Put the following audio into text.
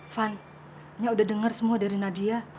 van nya udah denger semua dari nadia